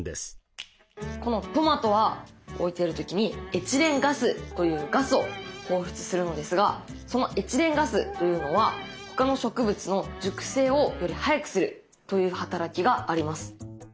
このトマトは置いてる時にエチレンガスというガスを放出するのですがそのエチレンガスというのは他の植物の熟成をより早くするという働きがあります。